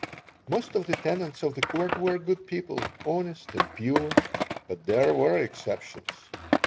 Most of the tenants of the Court were good people, honest and pure, but there were exceptions.